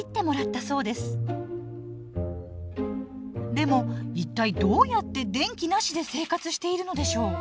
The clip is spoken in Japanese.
でも一体どうやって電気なしで生活しているのでしょう？